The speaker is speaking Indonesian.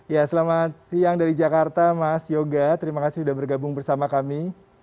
ya selamat siang dari jakarta mas yoga terima kasih sudah bergabung bersama kami